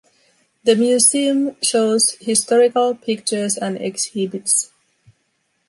The museum shows historical pictures and exhibits.